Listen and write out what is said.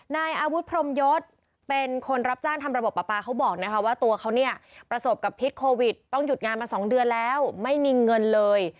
นายอาวุธพรมยศเป็นคนรับจ้างทำระบบปลาปลาเขาบอกนะคะว่าตัวเขาเนี่ยประสบกับพิษโควิดต้องหยุดงานมา๒เดือนแล้วไม่มีเงินเลย